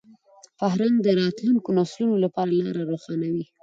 فرهنګ د راتلونکو نسلونو لپاره لاره روښانوي.